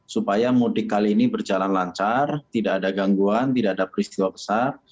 supaya mudik kali ini berjalan lancar tidak ada gangguan tidak ada peristiwa besar